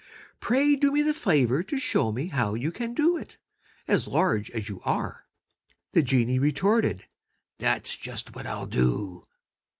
Pray do me the favor to show me how you Can do it, as large as you are." The genie retorted: "That's just what I'll do!"